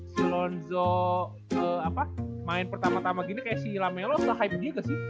kalo apa main pertama tama gini kayak si lame lobo se hype dia gak sih